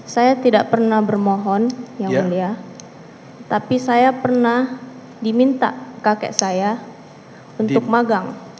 saya tidak pernah bermohon yang mulia tapi saya pernah diminta kakek saya untuk magang